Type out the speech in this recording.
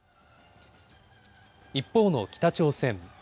一方の北朝鮮。